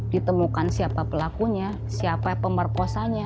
ditemukan siapa pelakunya siapa pemerkosanya